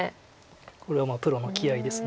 これはプロの気合いです。